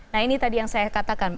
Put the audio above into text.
nah ini tadi yang saya katakan